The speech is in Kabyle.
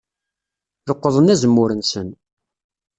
Leqḍen azemmur-nsen.